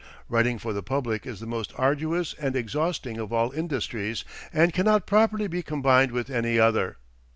Writing for the public is the most arduous and exhausting of all industries, and cannot properly be combined with any other.